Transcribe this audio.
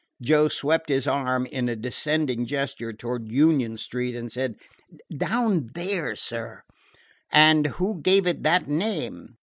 Joe swept his arm in a descending gesture toward Union Street, and said: "Down there, sir." "And who gave it that name?"